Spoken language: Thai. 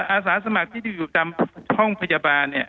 อาสาสมัครที่อยู่ตามห้องพยาบาลเนี่ย